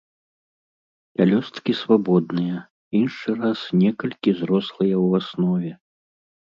Пялёсткі свабодныя, іншы раз некалькі зрослыя ў аснове.